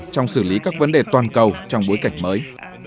trong xử lý các vấn đề toàn cầu trong bối cảnh mới